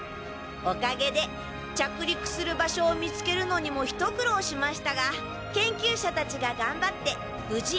おかげで着陸する場所を見つけるのにも一苦労しましたが研究者たちががんばってぶじ